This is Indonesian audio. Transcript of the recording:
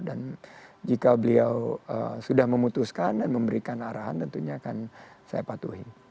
dan jika beliau sudah memutuskan dan memberikan arahan tentunya akan saya patuhi